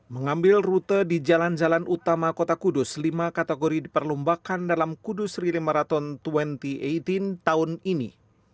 mengambil rute di jalan jalan utama kota kudus lima kategori diperlombakan dalam kudus relay marathon dua ribu delapan belas tahun ini